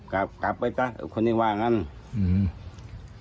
กลับไปตะคนนี้ว่างั้นอือ